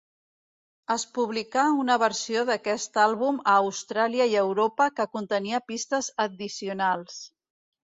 Es publicà una versió d'aquest àlbum a Austràlia i Europa que contenia pistes addicionals.